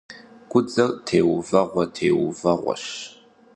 Гудзэр теувэгъуэ-теувэгъуэщ.